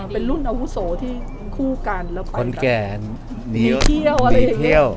เป็นรุ่นอาวุโสที่คู่กันแล้วก็คนแก่เที่ยวอะไรอย่างนี้